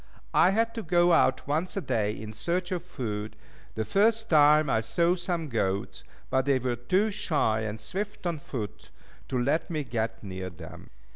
I had to go out once a day in search of food. The first time, I saw some goats, but they were too shy and swift of foot, to let me get near them.